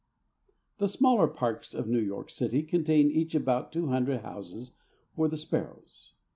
The smaller parks of New York city contain each about two hundred houses for the sparrows.